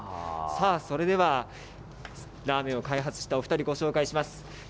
それでは、ラーメンを開発したお２人、ご紹介します。